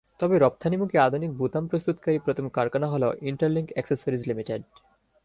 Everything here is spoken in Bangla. তবে রপ্তানিমুখী আধুনিক বোতাম প্রস্তুতকারী প্রথম কারখানা হলো ইন্টারলিংক এক্সেসরিজ লিমিটেড।